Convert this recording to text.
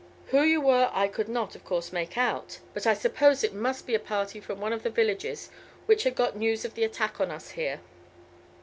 Who you were I could not of course make out, but I supposed it must be a party from one of the villages which had got news of the attack on us here."